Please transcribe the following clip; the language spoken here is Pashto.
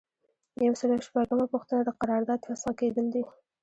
یو سل او شپږمه پوښتنه د قرارداد فسخه کیدل دي.